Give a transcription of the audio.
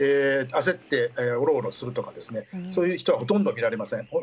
焦っておろおろするとかそういう人はほとんど見られません。